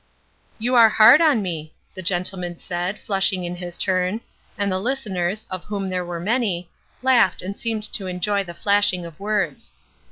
"You are hard on me," the gentleman said, flushing in his turn, and the listeners, of whom there were many, laughed and seemed to enjoy the flashing of words.